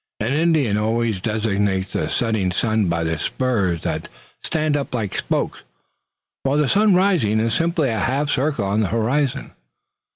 An Indian always designates a setting sun by the spurs that stand up like spokes; while the sun rising is simply a half circle on the horizon."